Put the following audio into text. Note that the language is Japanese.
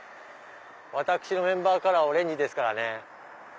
私のメンバーカラーオレンジですからね。